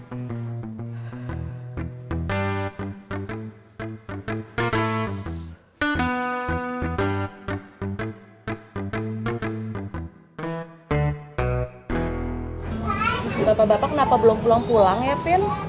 bapak bapak kenapa belum pulang pulang ya fin